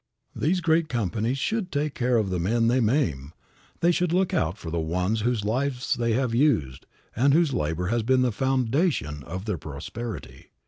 These great companies should take care of the men they maim; they should look out for the ones whose lives they have used and whose labor has been the foundation of their prosperity.